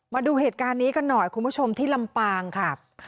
มาดูเหตุการณ์นี้กันหน่อยคุณผู้ชมที่ลำปางค่ะ